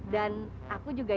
dan aku juga ya